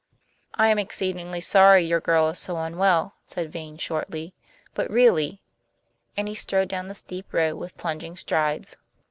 "I am exceedingly sorry your girl is so unwell," said Vane shortly. "But really " and he strode down the steep road with plunging strides.